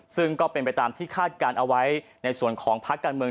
ซึ่งก็เป็นไปตามที่คาดการณ์เอาไว้ในส่วนของภาคการเมือง